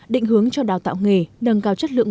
định hướng cho đào tạo nghề nâng cao chất lượng